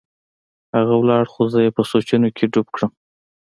هغه ولاړ خو زه يې په سوچونو کښې ډوب کړم.